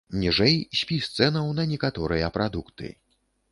Ніжэй спіс цэнаў на некаторыя прадукты.